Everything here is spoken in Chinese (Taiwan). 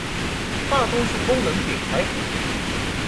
大多數功能點開